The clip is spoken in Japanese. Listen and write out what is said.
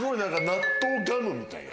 納豆ガムみたいな。